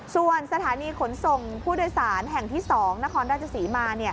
ส่วนสถานีขนส่งผู้โดยสารแห่งที่๒นครราชศรีมา